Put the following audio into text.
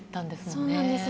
そうなんです。